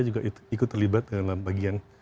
juga ikut terlibat dalam bagian